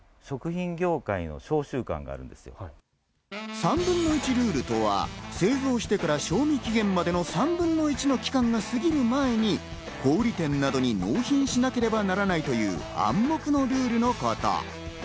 ３分の１ルールとは製造してから賞味期限までの３分の１の期間が過ぎる前に小売店などに納品しなければならないという暗黙のルールのこと。